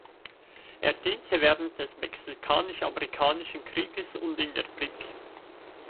Er diente während des mexikanisch-amerikanischen Krieges in und in der Brigg.